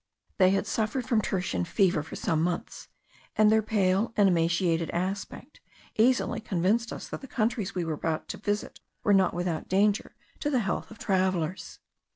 They had suffered from tertian fever for some months; and their pale and emaciated aspect easily convinced us that the countries we were about to visit were not without danger to the health of travellers.